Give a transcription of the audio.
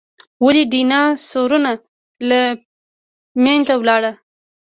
ولې ډیناسورونه له منځه لاړل؟